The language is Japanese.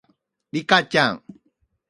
リカちゃん